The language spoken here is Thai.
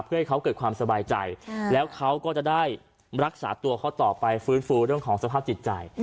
เพื่อให้เขาเกิดความสบายใจแล้วเขาก็จะได้รักษาตัวเขาต่อไปฟื้นฟูเรื่องของสภาพจิตใจ